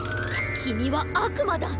きみはあくまだ！